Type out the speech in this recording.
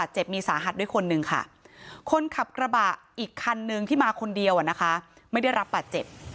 เจ้าคนนเดียวไม่ได้รับปาดเจ็บ